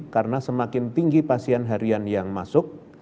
karena semakin tinggi pasien harian yang masuk